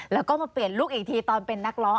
แล้วก็มาเปลี่ยนลุคอีกทีตอนเป็นนักร้อง